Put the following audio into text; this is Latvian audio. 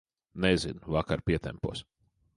Nezinu, vakar pietempos.